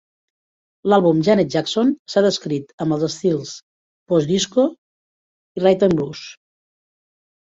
L'àlbum "Janet Jackson" s'ha descrit amb els estils postdisco i "rythm-and-blues".